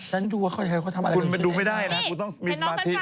ฉันดูว่าเค้าจะทำอะไรกัน